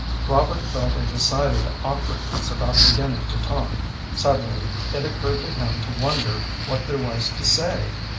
Robert felt a decided awkwardness about beginning to talk. Suddenly it occurred to him to wonder what there was to say.